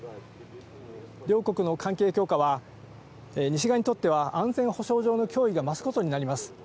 両国の関係強化は西側にとっては安全保障上の脅威が増すことになります。